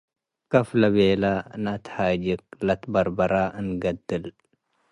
ከፍ ለቤለ ነአትሃጅክ - ለትበርበረ እንገድል፣